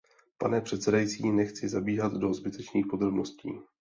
Pane předsedající, nechci zabíhat do zbytečných podrobností.